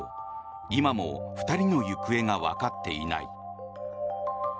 今も２人の行方がわかっていない。